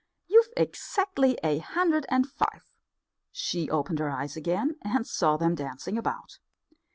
You've exactly a hundred and five!" She opened her eyes again and saw them dancing about.